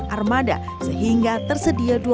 sembilan armada sehingga tersedia